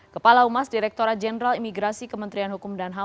kepala umas direktura jenderal imigrasi kementerian hukum dan ham